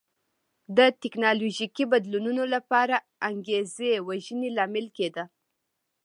د ټکنالوژیکي بدلونونو لپاره انګېزې وژنې لامل کېده.